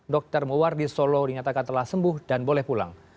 dr muwardi solo dinyatakan telah sembuh dan boleh pulang